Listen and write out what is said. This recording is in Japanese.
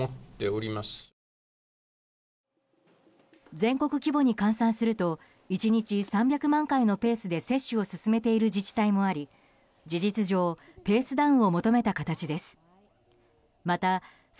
全国規模に換算すると１日３００万回のペースで接種を進めている自治体もあり事実上ペースダウンを求めた形です。